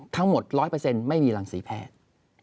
ทั้งหมด๑๐๐ไม่มีรังสีแพทย์